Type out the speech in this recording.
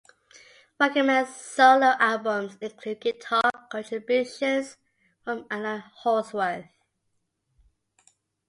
Wackerman's solo albums include guitar contributions from Allan Holdsworth.